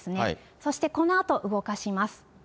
そしてこのあと動かします。